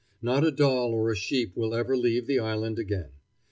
Not a doll or a sheep will ever leave the island again.